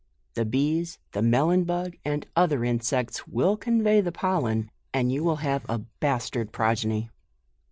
The bees, the me lon bug, and other insects, will convey the pollen, and you will have a bastard progeny.